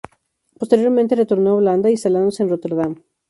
Posteriormente retornó a Holanda, instalándose en Rotterdam.